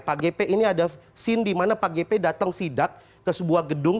pak g p ini ada scene di mana pak g p datang sidak ke sebuah gedung